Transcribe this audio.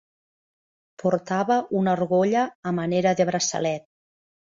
Portava una argolla a manera de braçalet.